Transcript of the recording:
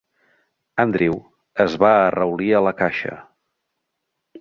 Andrew es va arraulir a la caixa.